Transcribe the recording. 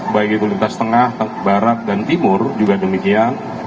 baik itu lintas tengah barat dan timur juga demikian